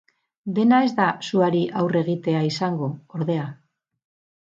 Dena ez da suari aurre egitea izango, ordea.